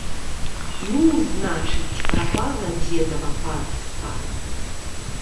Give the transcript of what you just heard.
Ну, значыць, прапала дзедава панства!